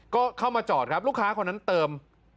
ก็เข้ามาจอดครับลูกค้าคนนั้นเติม